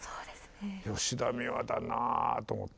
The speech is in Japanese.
吉田美和だなあと思って。